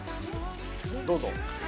どうぞ。